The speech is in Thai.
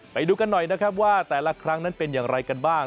ไปดูกันหน่อยนะครับว่าแต่ละครั้งนั้นเป็นอย่างไรกันบ้าง